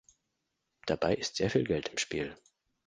Dabei ist sehr viel Geld im Spiel.